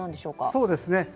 そうですね。